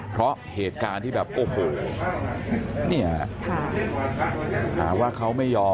เพราะเหตุการณ์ที่แบบ